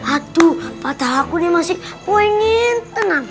aduh patah aku nih masih pengen tenang